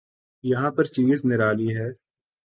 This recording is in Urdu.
یہاں ہر چیز نرالی ہے۔